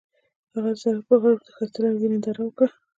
هغوی د سړک پر غاړه د ښایسته لرګی ننداره وکړه.